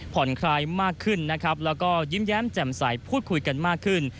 คลายมากขึ้นนะครับแล้วก็ยิ้มแย้มแจ่มใสพูดคุยกันมากขึ้น